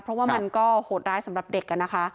เพราะว่ามันก็โหดร้ายสำหรับเด็กนะคะ